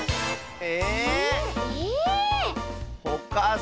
え？